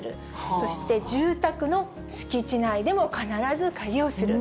そして住宅の敷地内でも必ず鍵をする。